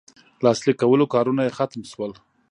لاسلیک کولو کارونه یې ختم سول.